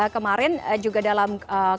kemarin juga dalam konferensi persa